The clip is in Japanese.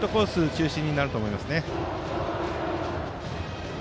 中心になると思いますね。